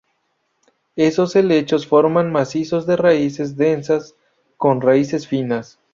Esos helechos forman macizos de raíces densas, con raíces finas.